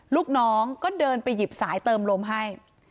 ลูกน้องก็เดินไปหยิบสายเติมลมให้